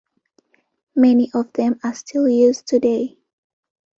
Many of them are still used today.